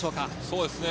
そうですね。